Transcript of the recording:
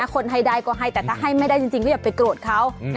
คนให้ได้ก็ให้แต่ถ้าให้ไม่ได้จริงก็อย่าไปโกรธเขา